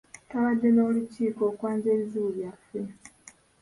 Twabadde n'olukiiko okwanja ebizibu byaffe.